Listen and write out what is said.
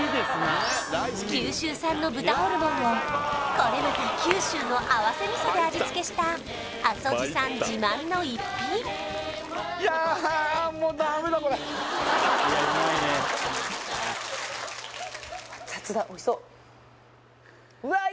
九州産の豚ホルモンをこれまた九州の合わせ味噌で味付けしたあそ路さん自慢の逸品熱々だおいしそううわあ